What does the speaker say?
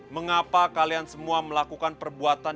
mengapa kalian semua melakukan perbuatan